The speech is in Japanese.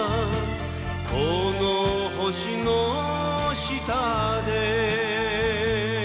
「この星の下で」